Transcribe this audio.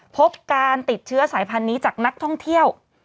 พบการติดเชื้อสายพันธุ์นี้จากนักท่องเที่ยว